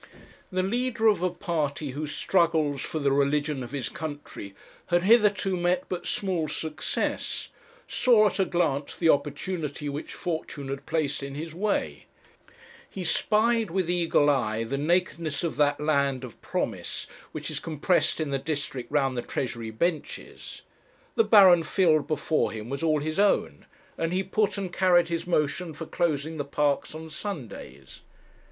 The leader of a party whose struggles for the religion of his country had hitherto met but small success, saw at a glance the opportunity which fortune had placed in his way; he spied with eagle eye the nakedness of that land of promise which is compressed in the district round the Treasury benches; the barren field before him was all his own, and he put and carried his motion for closing the parks on Sundays.